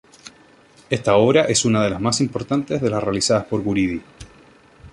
Esta obra es una de las más importantes de las realizadas por Guridi.